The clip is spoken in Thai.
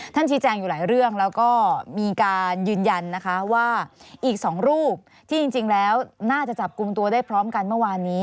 ชี้แจงอยู่หลายเรื่องแล้วก็มีการยืนยันนะคะว่าอีก๒รูปที่จริงแล้วน่าจะจับกลุ่มตัวได้พร้อมกันเมื่อวานนี้